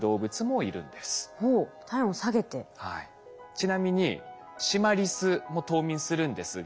ちなみにシマリスも冬眠するんですが。